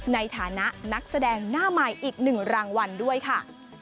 ในฐานะนักแสดงหน้าใหม่อีก๑รางวัลด้วยค่ะ